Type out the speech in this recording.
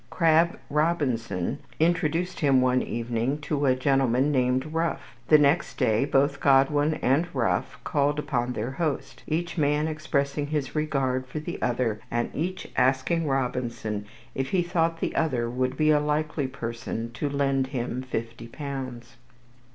Crabb Robinson introduced him one evening to a gentleman named Rough. The next day both Godwin and Rough called upon their host, each man expressing his regard for the other, and each asking Robinson if he thought the other would be a likely person to lend him fifty pounds.